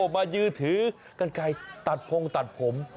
มายื้อถือกันไกลตัดพงตัดผม